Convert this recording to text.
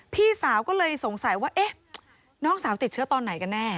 พี่สาวก็เลยสงสัยว่าเอ๊ะน้องสาวติดเชื้อตอนไหนกันแน่